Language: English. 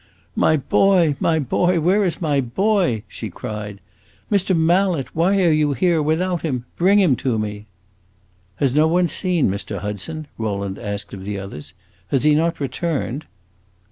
"My boy, my boy, where is my boy?" she cried. "Mr. Mallet, why are you here without him? Bring him to me!" "Has no one seen Mr. Hudson?" Rowland asked of the others. "Has he not returned?"